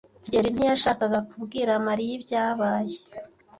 kigeli ntiyashakaga kubwira Mariya ibyabaye.